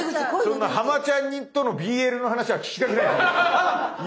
そんなハマちゃん似とのＢＬの話は聞きたくないです僕。